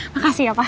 makasih ya pak